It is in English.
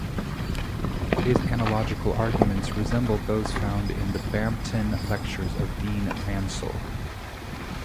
His analogical arguments resemble those found in the Bampton Lectures of Dean Mansel.